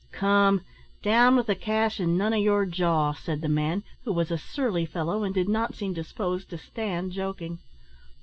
"Come, down with the cash, and none o' yer jaw," said the man, who was a surly fellow, and did not seem disposed to stand joking.